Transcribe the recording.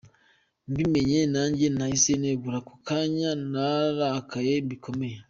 Mbimenye nanjye nahise negura ako kanya narakaye bikomeye.